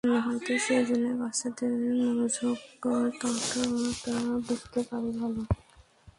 হয়তো সেজন্যই বাচ্চাদের মনোজগতটা বুঝতে পারি ভালো।